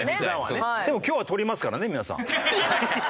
でも今日はとりますからね皆さん。